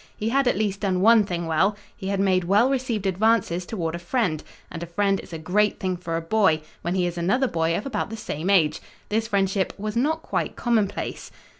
He had at least done one thing well. He had made well received advances toward a friend; and a friend is a great thing for a boy, when he is another boy of about the same age. This friendship was not quite commonplace.